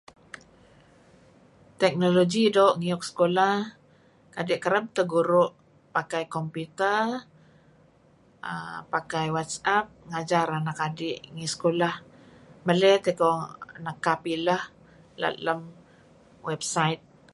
Technology do' ngiyuk sekulah kadi kereb teh guru' pakai computer, pakai WhatsApp, ngajar anak adi' ngi sekulah . Meley tikoh nekap ileh let lem web site.